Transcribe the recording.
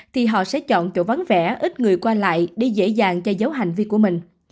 thì họ sẽ chọn chỗ vắng vẻ ít người qua lại để dễ dàng che giấu hành vi của mình